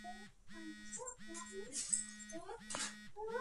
Truck ভর্তি করে এসব কঁাঠাল সরবরাহ করা হচ্ছে চট্টগ্রাম, ঢাকাসহ সারা দেশে।